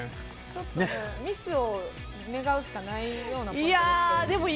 ちょっとミスを願うしかないような感じですけど。